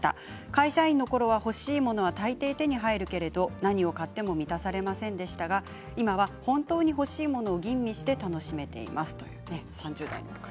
会社員のころは、欲しい物は大抵手に入るけれども何を買っても満たされませんでしたが今は本当に欲しいものを吟味して楽しめています。